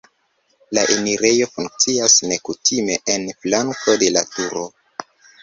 La enirejo funkcias nekutime en flanko de la turo.